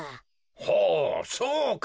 ほうそうか。